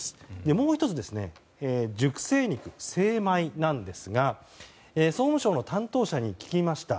もう１つ熟成肉、精米ですが総務省の担当者に聞きました。